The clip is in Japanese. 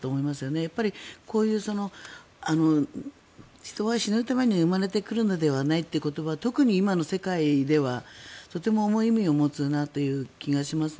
やっぱりこういう人は死ぬために生まれてくるのではないという言葉特に今の世界ではとても重い意味を持つなという気がしますね。